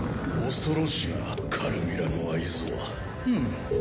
恐ろしいなカルミラの愛憎は。